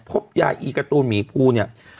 พบยาอีการ์ตูนหมีภูเนี่ย